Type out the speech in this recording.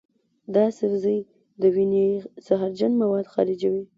دا سبزی د وینې زهرجن مواد خارجوي.